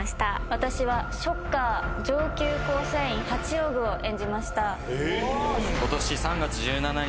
私はショッカー上級構成員ハチオーグを演じました。